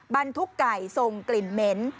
บรรทุกไก่ส่งกลิ่นเหม็น